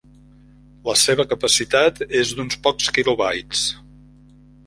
La seva capacitat és d'uns pocs kilobytes.